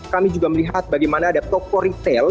kami juga melihat bagaimana ada toko retail